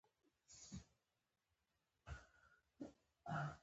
موږ له ټولو اړمنو سره مرسته وکړه